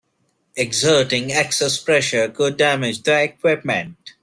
Exerting excess pressure could damage the equipment.